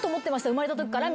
「生まれたときから」